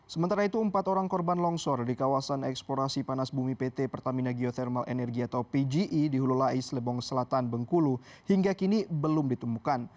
sementara itu empat orang korban longsor di kawasan eksplorasi panas bumi pt pertamina geothermal energi atau pgi di hulu lais lebong selatan bengkulu hingga kini belum ditemukan